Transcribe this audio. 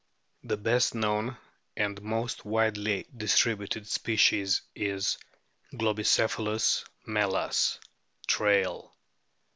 The best known and most widely distributed species is Globicephalus melas, Traill.